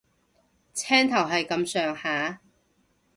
青頭係咁上下